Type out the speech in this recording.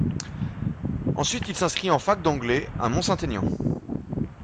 Ensuite, il s'inscrit en fac d'anglais à Mont-Saint-Aignan.